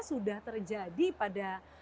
sudah terjadi pada